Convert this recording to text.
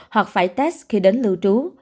hoặc phải test khi đến lưu trú